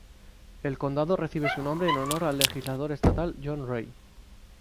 El condado recibe su nombre en honor al legislador estatal John Ray.